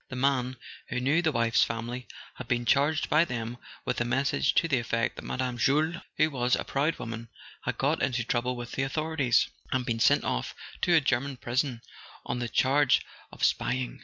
The man, who knew the wife's family, had been charged by them with a message to the effect that Mme. Jules, who was a proud woman, had got into trouble with the authorities, and been sent off to a German prison on the charge of spy¬ ing.